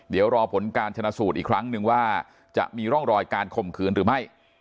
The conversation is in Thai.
เดี๋ยวรอผลการชนะสูตรอีกครั้งหนึ่งว่าจะมีร่องรอยการข่มขืนหรือไม่